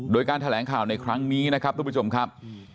โดยการแถลงข่าวในครั้งนี้นะครับทุกผู้ชมครับ